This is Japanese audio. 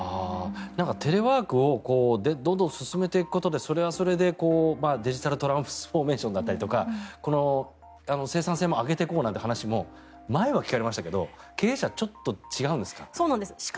テレワークをどんどん進めていくことでそれはそれでデジタルトランスフォーメーションだったりとかこの生産性も上げていこうという話も前は聞かれましたけど経営者はちょっと違うんですか。